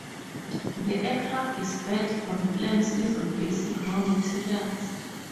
The aircraft is built from plans using basic raw materials.